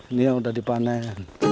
ini yang udah dipanen